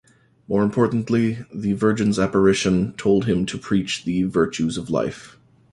More importantly, the Virgin's apparition told him to preach the virtues of life.